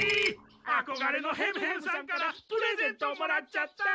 あこがれのヘムヘムさんからプレゼントをもらっちゃった！